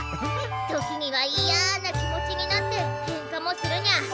時にはいやな気持ちになってケンカもするにゃ。